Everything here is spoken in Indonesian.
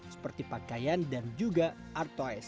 seperti pakaian dan juga art toys